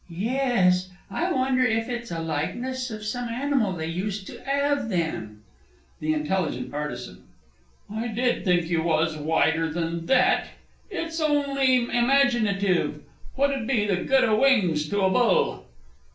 Ye es I wonder if it's a likeness of some animal they used to 'ave then? THE I. A. I did think you was wider than that! it's only imaginative. What 'ud be the good o' wings to a bull?